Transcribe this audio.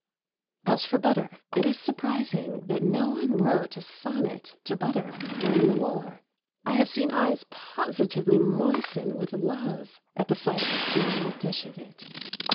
As for butter, it is surprising that no one wrote a sonnet to butter during the war. I have seen eyes positively moisten with love at the sight of a small dish of it.